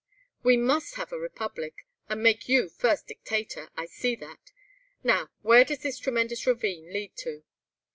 "We must have a republic, and make you first Dictator, I see that. Now, where does this tremendous ravine lead to?"